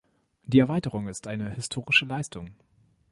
Die Erweiterung ist eine historische Leistung.